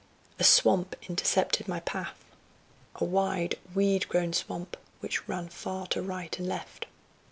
A swamp intercepted my path. A wide, weed grown swamp, which ran far to right and left.